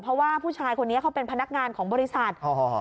เพราะว่าผู้ชายคนนี้เขาเป็นพนักงานของบริษัท